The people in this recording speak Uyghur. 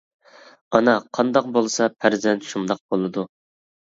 ئانا قانداق بولسا پەرزەنت شۇنداق بولىدۇ!